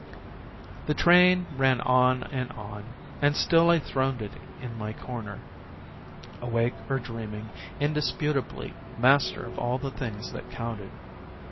The train ran on and on, and still I throned it in my corner, awake or dream ing, indisputably master of all the things that counted.